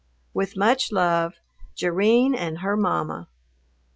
With much love, JERRINE AND HER MAMMA.